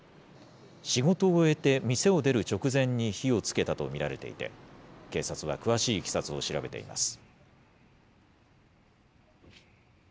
仕事を終えて店を出る直前に火をつけたと見られていて、警察は詳しいいきさつを調べています。